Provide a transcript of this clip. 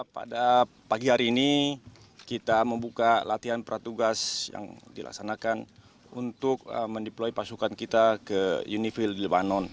pada pagi hari ini kita membuka latihan peratugas yang dilaksanakan untuk mendeploy pasukan kita ke unifil di lebanon